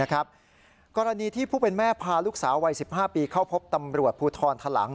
กรณีที่ผู้เป็นแม่พาลูกสาววัย๑๕ปีเข้าพบตำรวจภูทรทะหลัง